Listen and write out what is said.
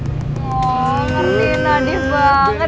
oh ngerti nadif banget